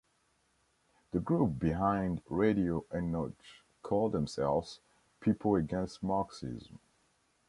The group behind Radio Enoch called themselves "People Against Marxism".